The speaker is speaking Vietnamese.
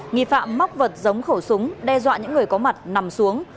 nghi phạm móc vật giống khẩu súng đe dọa những người có mặt nằm xuống